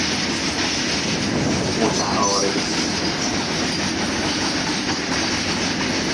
متعارفی